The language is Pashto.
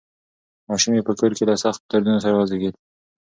ماشوم یې په کور کې له سختو دردونو سره وزېږېد.